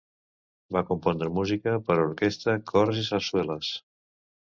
Va compondre música per a orquestra, cors, i sarsueles.